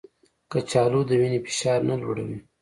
کچالو د وینې فشار نه لوړوي